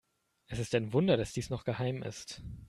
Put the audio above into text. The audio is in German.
Es ist ein Wunder, dass dies noch geheim ist.